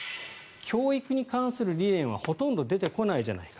教育に関する理念はほとんど出てこないじゃないか。